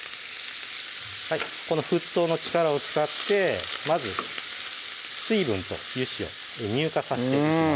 この沸騰の力を使ってまず水分と油脂を乳化させていきます